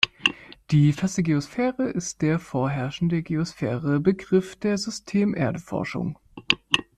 Die feste Geosphäre ist der vorherrschende Geosphäre-Begriff der System-Erde-Forschung.